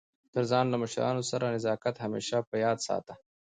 تر ځان له مشرانو سره نزاکت همېشه په یاد ساته!